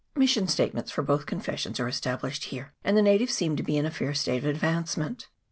Mission stations for both confessions are established here, and the na tives seem to be in a fair state of advancement.